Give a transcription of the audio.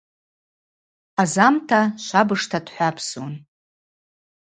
Азамта швабыжта дхӏвапсун.